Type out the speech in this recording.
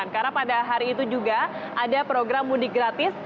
karena pada hari itu juga ada program mudik gratis